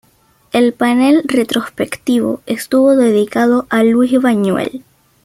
El panel retrospectivo estuvo dedicado a Luis Buñuel.